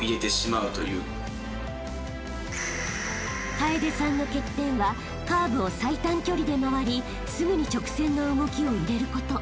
［楓さんの欠点はカーブを最短距離で回りすぐに直線の動きを入れること］